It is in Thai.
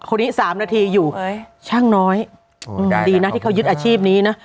คนนี้สามนาทีอยู่ช่างน้อยดีนะที่เขายึดอาชีพนี้นะ